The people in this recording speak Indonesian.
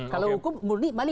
kalau hukum murni